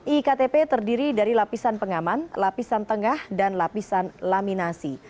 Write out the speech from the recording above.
iktp terdiri dari lapisan pengaman lapisan tengah dan lapisan laminasi